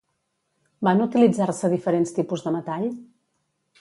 Van utilitzar-se diferents tipus de metall?